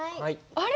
あれ？